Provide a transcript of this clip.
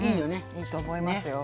いいと思いますよ。